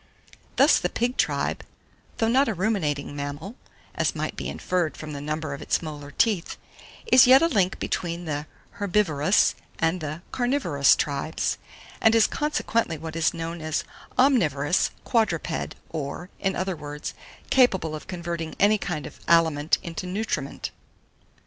767. THUS THE PIG TRIBE, though not a ruminating mammal, as might be inferred from the number of its molar teeth, is yet a link between the herbivorous and the carnivorous tribes, and is consequently what is known as an omnivorous quadruped; or, in other words, capable of converting any kind of aliment into nutriment.